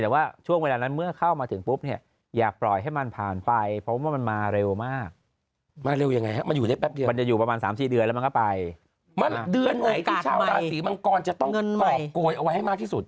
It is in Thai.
มันเดือนไหนที่ชาวหลาสีมะกอมจะต้องกรอบโกยเอาไว้ให้มากที่สุด